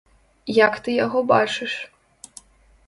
Як ты яго бачыш?